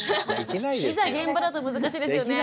いざ現場だと難しいですよね。